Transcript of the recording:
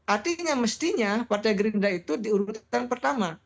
artinya mestinya partai gerindra itu diurutan pertama